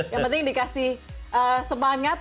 yang penting dikasih semangat